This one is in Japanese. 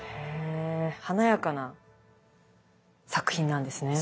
へ華やかな作品なんですね。